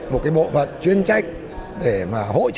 một cái bộ phận chuyên trách để mà hỗ trợ